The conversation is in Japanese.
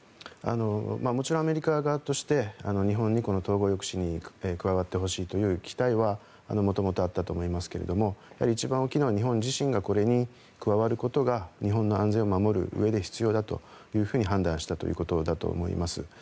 もちろんアメリカ側として日本にこの統合抑止に加わってほしいという期待はもともとあったと思いますが一番大きいのは、日本自身がこれに加わることが日本の安全を守るうえで必要だというふうに判断したと思います。